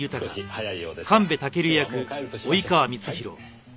はい。